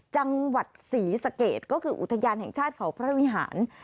จังหวัดศรีสะเกดก็คืออุทยานแห่งชาติเขาพระวิหาร